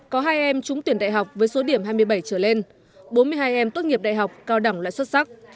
có hai em trúng tuyển đại học với số điểm hai mươi bảy trở lên bốn mươi hai em tốt nghiệp đại học cao đẳng lại xuất sắc